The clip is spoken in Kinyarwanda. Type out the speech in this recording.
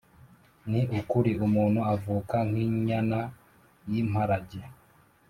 ni ukuri umuntu avuka nk’inyana y’imparage